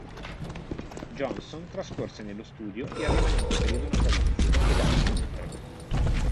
Johnson trascorse nello studio il rimanente periodo natalizio ed anche oltre.